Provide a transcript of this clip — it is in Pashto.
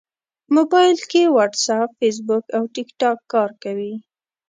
موبایل کې واټساپ، فېسبوک او ټېکټاک کار کوي.